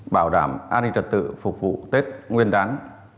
bảo đảm an ninh trật tự phục vụ tết nguyên đán